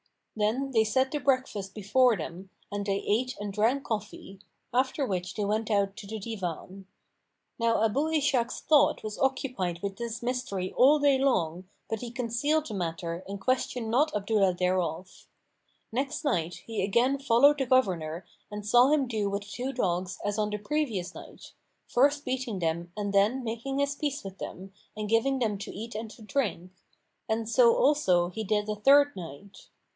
Then they set the breakfast[FN#480] before them and they ate and drank coffee, after which they went out to the divan. Now Abu Ishak's thought was occupied with this mystery all day long but he concealed the matter and questioned not Abdullah thereof. Next night, he again followed the governor and saw him do with the two dogs as on the previous night, first beating them and then making his peace with them and giving them to eat and to drink; and so also he did the third night.